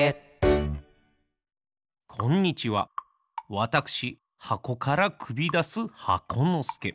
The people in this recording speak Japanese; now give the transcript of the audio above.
わたくしはこからくびだす箱のすけ。